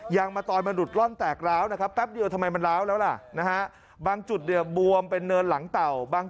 ยางมาตอยมาหลุดร่อนแตกร้าวนะครับ